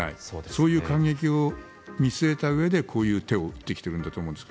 そういう間隙を見据えたうえでこういう手を打ってきているんだと思うんです